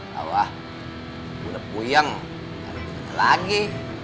tau ah udah puyeng kan udah lagi